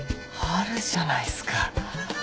あるじゃないすか。